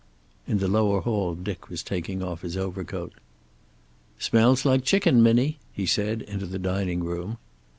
In the lower hall Dick was taking off his overcoat. "Smell's like chicken, Minnie," he said, into the dining room.